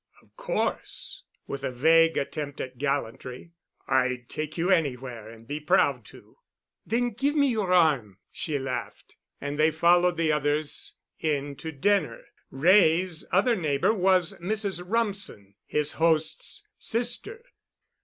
"Of course," with a vague attempt at gallantry. "I'd take you anywhere and be proud to." "Then give me your arm," she laughed. And they followed the others in to dinner. Wray's other neighbor was Mrs. Rumsen, his host's sister.